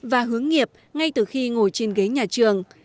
và hướng nghiệp ngay từ khi ngồi trên ghế nhà trường